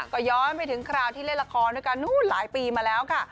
ก็ย้อนไปถึงคราวที่เล่นละครด้วยกันนู้นหลายปีมาแล้วค่ะ